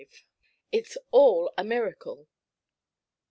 'IT'S ALL A MIRACLE.'